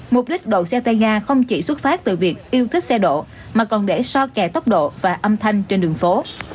mục đích đậu xe tay ga không chỉ xuất phát từ việc yêu thích xe độ mà còn để so kẻ tốc độ và âm thanh trên đường phố